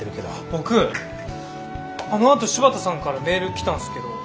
僕あのあと柴田さんからメール来たんすけど。